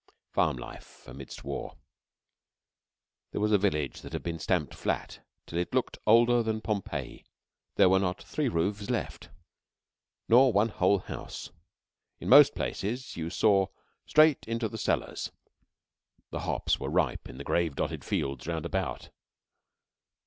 FARM LIFE AMIDST WAR There was a village that had been stamped flat, till it looked older than Pompeii. There were not three roofs left, nor one whole house. In most places you saw straight into the cellars. The hops were ripe in the grave dotted fields round about.